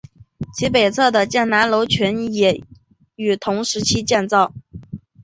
其北侧的建南楼群也于同期建造。